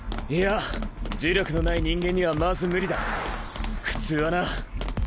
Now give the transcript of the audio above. いや呪力のない人間にはまず無理だ普通はな。